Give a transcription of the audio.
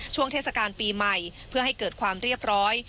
ช่วงเทศกาลปีใหม่เพื่อให้เกิดความเรียบร้อย